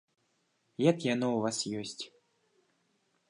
Як яно ў вас ёсць.